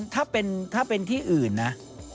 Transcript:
ถ้าเป็นถ้าเป็นที่อื่นนะ